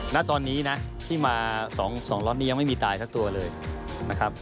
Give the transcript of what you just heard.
ณตอนนี้นะที่มา๒ล็อตนี้ยังไม่มีตายสักตัวเลยนะครับ